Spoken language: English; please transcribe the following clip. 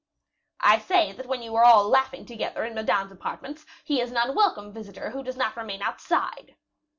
"I say that when you are all laughing together in Madame's apartment, he is an unwelcome visitor who does not remain outside."